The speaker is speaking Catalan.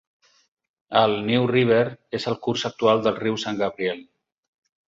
El "New River" és el curs actual del riu San Gabriel.